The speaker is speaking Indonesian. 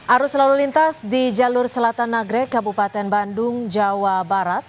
arus lalu lintas di jalur selatan nagrek kabupaten bandung jawa barat